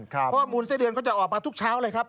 เพราะว่ามูลไส้เดือนก็จะออกมาทุกเช้าเลยครับ